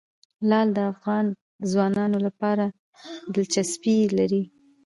لعل د افغان ځوانانو لپاره دلچسپي لري.